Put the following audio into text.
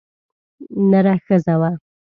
نره ښځه وه.